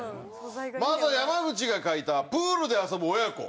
まずは山内が描いたプールで遊ぶ親子。